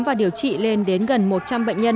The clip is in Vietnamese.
và điều trị lên đến gần một trăm linh bệnh nhân